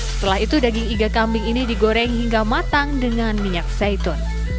setelah itu daging iga kambing ini digoreng hingga matang dengan minyak zaitun